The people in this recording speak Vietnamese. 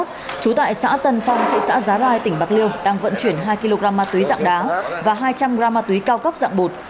trú tại xã tân phong thị xã giá rai tỉnh bạc liêu đang vận chuyển hai kg ma túy dạng đá và hai trăm linh g ma túy cao cấp dạng bột